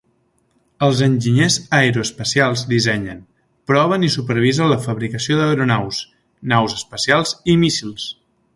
Els enginyers aeroespacials dissenyen, proven i supervisen la fabricació d'aeronaus, naus espacials i míssils.